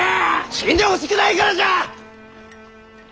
死んでほしくないからじゃ！